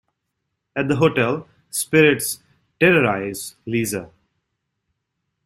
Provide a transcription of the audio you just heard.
At the hotel, spirits terrorize Liza.